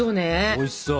おいしそう！